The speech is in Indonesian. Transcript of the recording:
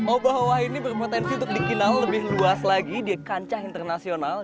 oba oba ini berpotensi untuk dikenal lebih luas lagi di kancah internasional